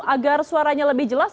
agar suaranya lebih jelas